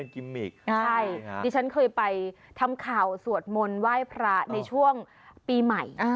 ดิฉันเคยไปทำข่าวสวดมนต์ไหว้พระในช่วงปีใหม่